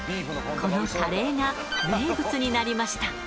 このカレーが名物になりました。